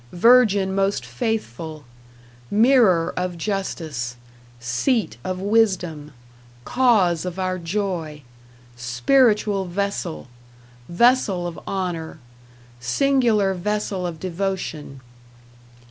Virgin most faithful. Mirror of justice. Seat of wisdom. Cause of our joy. Spiritual vessel. Vessel of honor. Singular vessel of devotion.